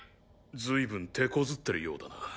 ずいぶん手こずってるようだな。